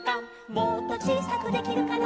「もっとちいさくできるかな」